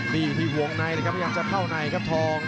นี่อยู่ที่วงในเลยครับพยายามจะเข้าในครับทอง